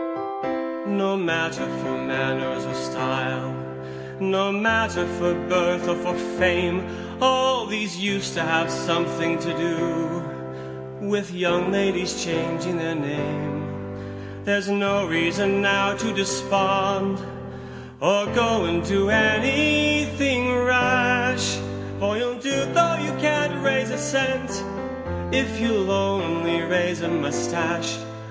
2. No matter for manners or style, No matter for birth or for fame, All these used to have something to do With young ladies changing their name, There's no reason now to despond, Or go and do any thing rash, For you'll do though you can't raise a cent, If you'll only raise a moustache!